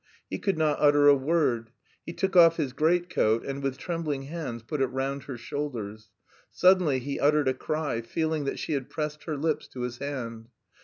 He could not utter a word; he took off his greatcoat, and with trembling hands put it round her shoulders. Suddenly he uttered a cry, feeling that she had pressed her lips to his hand.